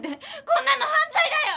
こんなの犯罪だよ！！